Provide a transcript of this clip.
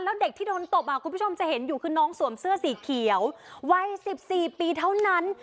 แล้วเด็กที่โดนตบคุณผู้ชมจะเห็นอยู่คือน้องสวมเสื้อสีเขียววัย๑๔ปีเท่านั้น